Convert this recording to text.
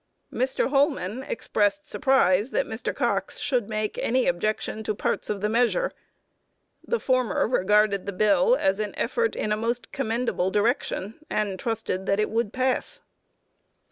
Mr. Holman expressed surprise that Mr. Cox should make any objection to parts of the measure. The former regarded the bill as "an effort in a most commendable direction," and trusted that it would pass.